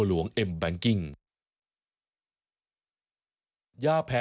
สวัสดีค่ะ